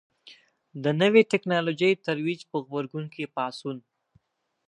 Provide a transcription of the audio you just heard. د نوې ټکنالوژۍ ترویج په غبرګون کې پاڅون.